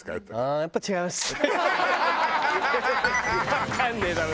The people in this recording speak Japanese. わかんねえだろ。